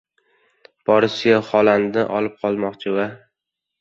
"Borussiya" Xolandni olib qolmoqchi va...